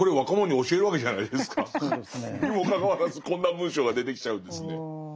にもかかわらずこんな文章が出てきちゃうんですね。